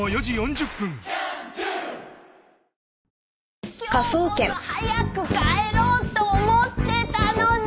今日こそ早く帰ろうと思ってたのに！